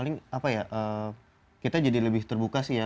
paling apa ya kita jadi lebih terbuka sih ya